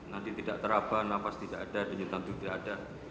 nanti tidak teraba nafas tidak ada denyutan itu tidak ada